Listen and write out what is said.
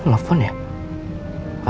katanya tadi ngelafon ya